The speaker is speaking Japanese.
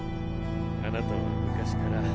あなたは昔から。